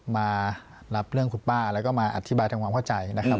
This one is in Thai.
มารับเรื่องคุณป้าแล้วก็มาอธิบายทำความเข้าใจนะครับ